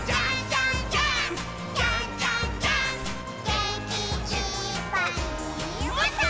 「げんきいっぱいもっと」